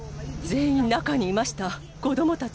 全員、中にいました。